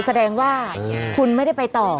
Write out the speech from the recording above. แสดงว่าคุณไม่ได้ไปต่อ